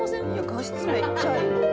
「画質めっちゃいい」